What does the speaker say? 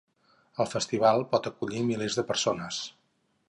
El festival pot acollir milers de persones.